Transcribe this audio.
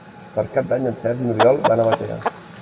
Per Cap d'Any en Sergi i n'Oriol van a Batea.